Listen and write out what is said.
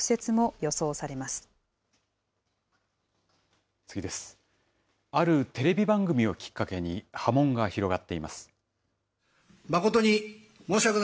あるテレビ番組をきっかけに波紋が広がっています。